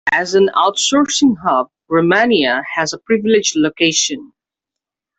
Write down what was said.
As an outsourcing hub Romania has a privileged location.